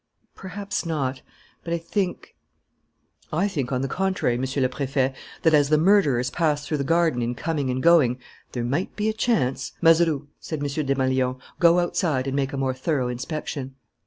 "Perhaps not.... But I think " "I think, on the contrary, Monsieur le Préfet, that, as the murderers passed through the garden in coming and going, there might be a chance " "Mazeroux," said M. Desmalions, "go outside and make a more thorough inspection."